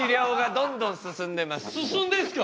進んでんすか！？